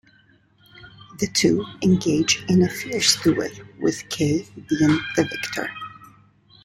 The two engage in a fierce duel, with Kay being the victor.